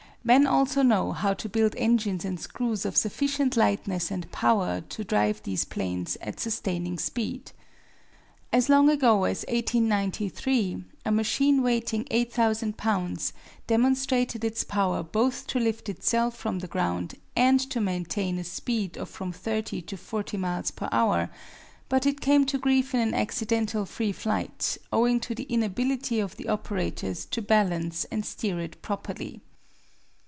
Men also know how to build engines and screws of sufficient lightness and power to drive these planes at sustaining speed. As long ago as 1893 a machine weighing 8,000 lbs. demonstrated its power both to lift itself from the ground and to maintain a speed of from 30 to 40 miles per hour; but it came to grief in an accidental free flight, owing to the inability of the operators to balance and steer it properly.